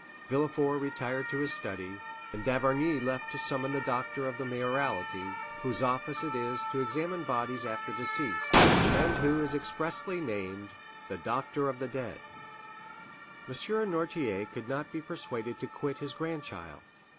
Villefort retired to his study, and d'Avrigny left to summon the doctor of the mayoralty, whose office it is to examine bodies after decease, and who is expressly named "the doctor of the dead." M. Noirtier could not be persuaded to quit his grandchild.